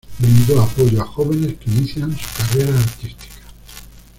Brindó apoyo a jóvenes que inician su carrera artística.